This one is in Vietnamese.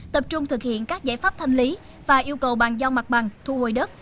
tập trung thực hiện các giải pháp thanh lý và yêu cầu bàn giao mặt bằng thu hồi đất